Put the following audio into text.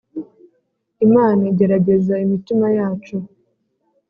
Imana igerageza imitima yacu